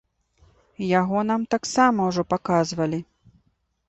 Яго нам таксама ўжо паказвалі.